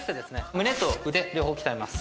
胸と腕両方鍛えます。